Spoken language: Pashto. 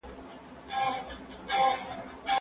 کله چې تدریس هراړخیز وي نو پوهنه سوله راوړي.